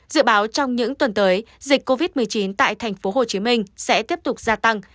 dự báo trong những tuần tới dịch covid một mươi chín tại tp hcm sẽ tiếp tục gia tăng